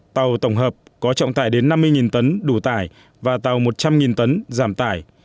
tàu tổng hợp có trọng tải đến năm mươi tấn đủ tải và tàu một trăm linh tấn giảm tải